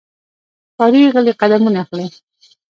ښکاري غلی قدمونه اخلي.